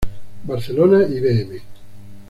Barcelona y Bm.